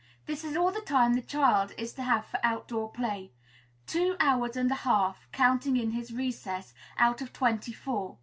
This is all the time the child is to have for out door play; two hours and a half (counting in his recess) out of twenty four.